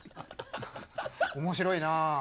面白いな。